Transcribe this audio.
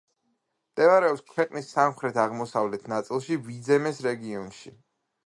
მდებარეობს ქვეყნის სამხრეთ-აღმოსავლეთ ნაწილში, ვიძემეს რეგიონში.